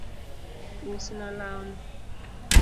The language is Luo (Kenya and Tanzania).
Us na lawni